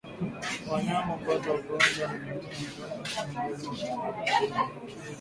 Wanyama hupata ugonjwa wa miguu na midomo wanapogusana na mbegu za kiume zenye maambukizi